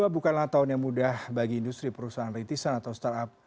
dua ribu dua puluh dua bukanlah tahun yang mudah bagi industri perusahaan retisan atau startup